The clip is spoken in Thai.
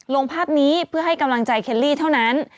ลงภาพนี้เพื่อให้กำลังใจเคลลี่เท่านั้น